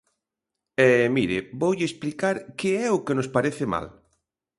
E, mire, voulle explicar que é o que nos parece mal.